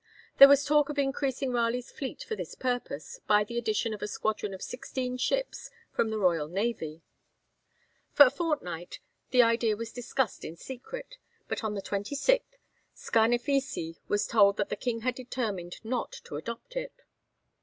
There was talk of increasing Raleigh's fleet for this purpose by the addition of a squadron of sixteen ships from the royal navy. For a fortnight the idea was discussed in secret; but on the 26th, Scarnafissi was told that the King had determined not to adopt it.